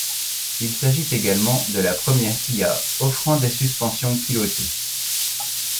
Il s'agit également de la première Kia offrant des suspensions pilotées.